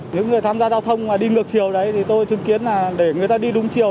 những người tham gia giao thông mà đi ngược chiều đấy thì tôi chứng kiến là để người ta đi đúng chiều